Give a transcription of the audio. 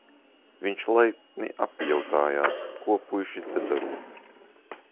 Viņš laipni apjautājās, ko puiši te darot.